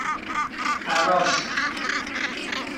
اراسپ